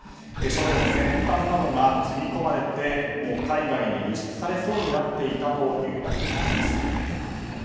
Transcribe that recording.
ショベルの先端などが積み込まれて海外に輸出されそうになっていたというわけなんです。